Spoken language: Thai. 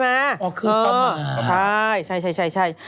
ไม่ผิดไงอ๋อคือประมาณประมาณใช่